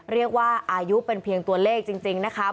เรียกว่าอายุเป็นเพียงตัวเลขจริงนะคะ